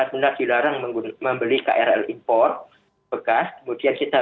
jumlahnya hanya dibatasi untuk kualitas